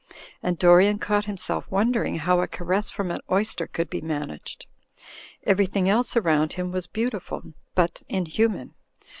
And Dorian caught himself wondering how a caress from an oyster could be managed. Everything else around him was beautiful, but inhuman.